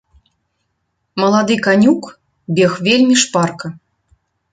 Малады канюк бег вельмі шпарка.